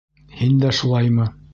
Һин дә шулаймы?